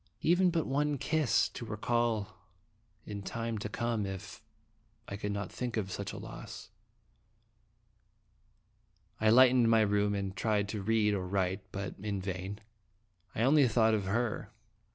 even but one kiss, to re call in time to come if I could not think of such a loss. I lighted my room, and tried to read or write, but in vain. I only thought of her.